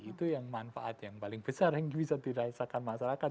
itu yang manfaat yang paling besar yang bisa dirasakan masyarakat